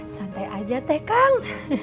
santai aja teh kang